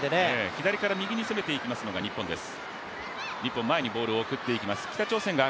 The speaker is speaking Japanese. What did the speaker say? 左から右に攻めていきますのが日本です。